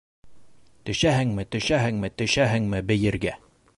Төшәһеңме, төшәһеңме, төшәһеңме бейергә?